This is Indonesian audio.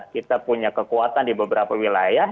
kita punya kekuatan di beberapa wilayah